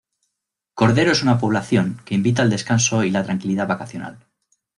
Cordero es una Población que invita al descanso y la tranquilidad vacacional.